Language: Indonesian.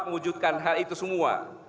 mengwujudkan hal itu semua